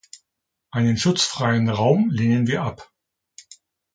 Einen schutzfreien Raum lehnen wir ab.